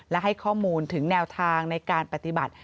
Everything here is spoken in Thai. และให้ข้อมูลถึงแนวทางในการปฏิบัติ